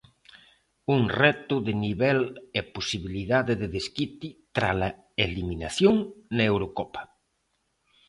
Un reto de nivel e posibilidade de desquite trala eliminación na Eurocopa.